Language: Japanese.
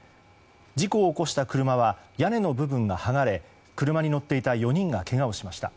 事故を起こした車は屋根の部分が剥がれ車に乗っていた４人がけがをしました。